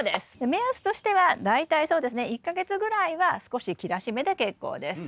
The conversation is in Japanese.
目安としては大体そうですね１か月ぐらいは少し切らしめで結構です。